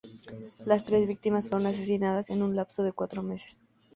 Las tres víctimas fueron asesinadas en un lapso de cuatro meses.